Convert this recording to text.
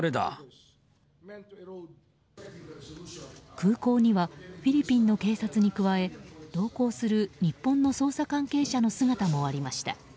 空港にはフィリピンの警察に加え同行する日本の捜査関係者の姿もありました。